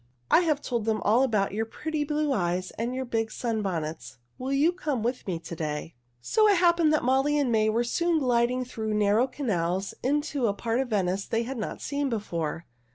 "I have told them all about your pretty blue eyes and your big sunbonnets. Will you come with me to day?" So it happened that Molly and May were soon gliding through narrow canals into a part of Venice they had not seen before.